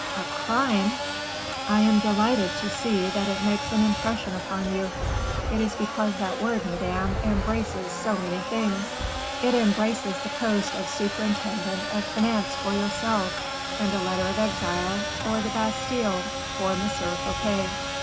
"A crime!" "I am delighted to see that it makes an impression upon you." "It is because that word, madame, embraces so many things." "It embraces the post of superintendent of finance for yourself, and a letter of exile, or the Bastile, for M. Fouquet."